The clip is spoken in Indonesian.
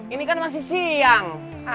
ini kan masih siang